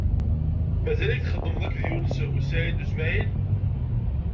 Mazal-ik txeddmed akked Yunes u Saɛid u Smaɛil?